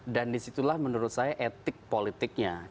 dan disitulah menurut saya etik politiknya